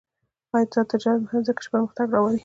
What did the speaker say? آزاد تجارت مهم دی ځکه چې پرمختګ راوړي.